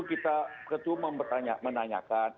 kita ketua menanyakan